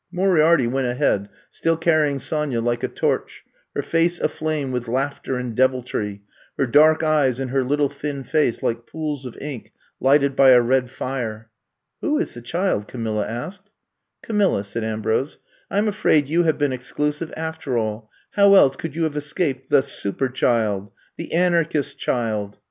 Moriarity went ahead, still carrying Sonya like a torch, her face afiame with laughter and deviltry, her dark eyes in her little thin face like pools of ink lighted by a red fire. *^Who is the child r* Camilla asked. Camilla,*' said Ambrose, I 'm afraid you have been exclusive after all, how else could you have escaped the Super child, the Anarchist child?